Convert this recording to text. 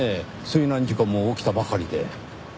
水難事故も起きたばかりで。